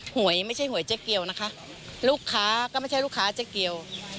หวยไม่ใช่หวยเจ๊เกียวนะคะลูกค้าก็ไม่ใช่ลูกค้าเจ๊เกียว